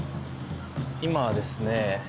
今はですね